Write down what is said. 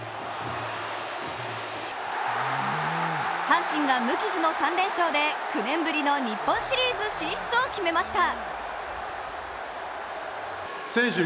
阪神が無傷の３連勝で、９年ぶりの日本シリーズ進出を決めました。